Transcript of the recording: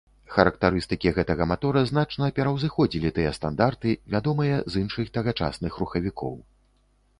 Характарыстыкі гэтага матора значна пераўзыходзілі тыя стандарты, вядомыя з іншых тагачасных рухавікоў.